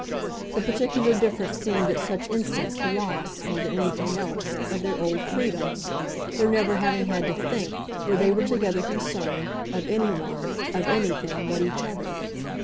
The particular difference seemed at such instants the loss, more than anything else, of their old freedom, their never having had to think, where they were together concerned, of any one, of anything but each other.